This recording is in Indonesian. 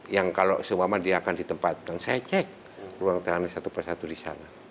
yang kalau seumpama dia akan ditempatkan saya cek ruang tahanan satu persatu di sana